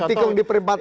ditikung di peribatan